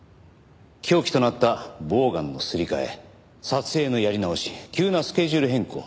凶器となったボウガンのすり替え撮影のやり直し急なスケジュール変更。